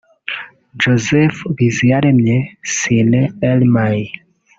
Joseph Biziyaremye (Cine Elmay)